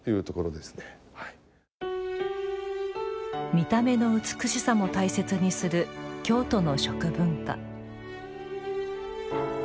見た目の美しさも大切にする京都の食文化。